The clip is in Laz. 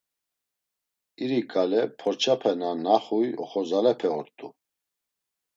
İri ǩale porçape na naxuy oxorzalepe ort̆u.